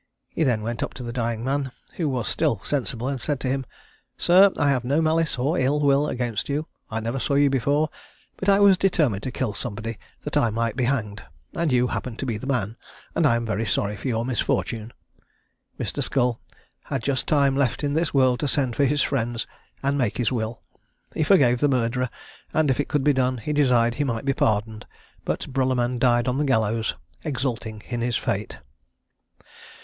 He then went up to the dying man, who was still sensible, and said to him, "Sir, I have no malice or ill will against you; I never saw you before; but I was determined to kill somebody that I might be hanged, and you happen to be the man; and I am very sorry for your misfortune." Mr. Scull had just time left in this world to send for his friends, and make his will. He forgave his murderer, and if it could be done, desired he might be pardoned; but Bruluman died on the gallows, exulting in his fate.